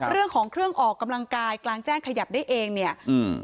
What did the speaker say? เรื่องของเครื่องออกกำลังกายกลางแจ้งขยับได้เองเนี่ยอืม